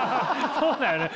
そうだよね！